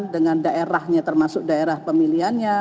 dengan daerahnya termasuk daerah pemilihannya